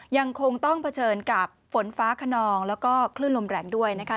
ยังคงต้องเผชิญกับฝนฟ้าขนองแล้วก็คลื่นลมแรงด้วยนะคะ